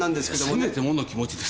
せめてもの気持ちです。